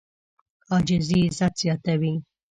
عاجزي عزت زیاتوي.